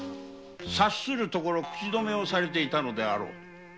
察するところ口止めをされていたのであろう。